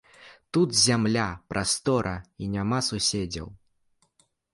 Тут зямля, прастора і няма суседзяў.